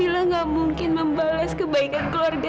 tante boleh salahin mila